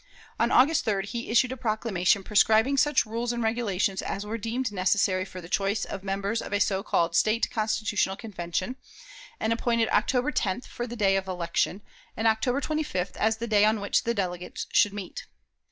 On August 3d he issued a proclamation prescribing such rules and regulations as were deemed necessary for the choice of members of a so called State Constitutional Convention, and appointed October 10th for the day of election, and October 25th as the day on which the delegates should meet.